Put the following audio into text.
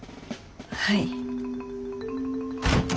はい。